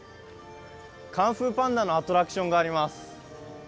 カンフーパンダのアトラクションがあります。